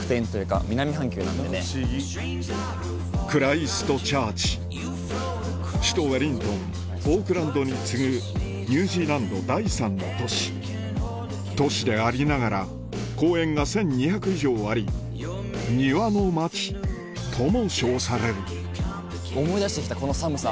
クライストチャーチ首都ウェリントンオークランドに次ぐニュージーランド第３の都市都市でありながら公園が１２００以上あり「庭の街」とも称される思い出してきたこの寒さ。